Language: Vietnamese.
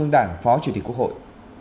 đảng phó chủ tịch quốc hội